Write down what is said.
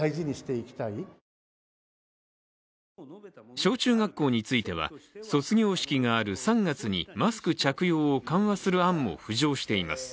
小中学校については、卒業式がある３月にマスク着用を緩和する案も浮上しています。